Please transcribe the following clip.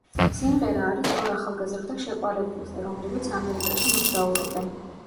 სიმღერა არის ორ ახალგაზრდა შეყვარებულზე, რომლებიც ამერიკაში მოგზაურობენ.